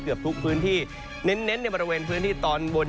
เกือบทุกพื้นที่เน้นในบริเวณพื้นที่ตอนบน